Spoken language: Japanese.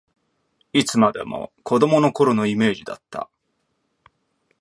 いつまでも子どもの頃のイメージだった